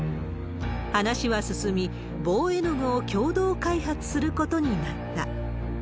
話は進み、棒絵具を共同開発することになった。